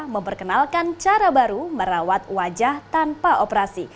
memperkenalkan cara baru merawat wajah tanpa operasi